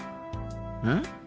うん？